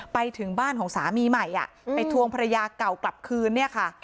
ไปถึงบ้านของสามีใหม่ไปทวงภรรยาเก่ากลับคืนเนี่ยค่ะ